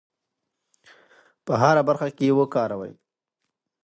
په هره برخه کې یې وکاروو.